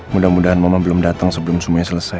mudah mudahan mama belum datang sebelum semuanya selesai